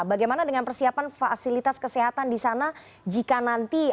bagaimana dengan persiapan fasilitas kesehatan di sana jika nanti